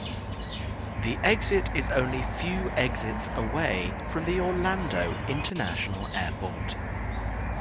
The exit is only few exits away from the Orlando International Airport.